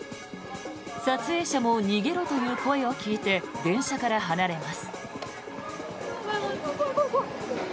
撮影者も逃げろという声を聞いて電車から離れます。